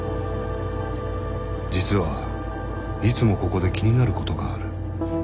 実はいつもここで気になることがある。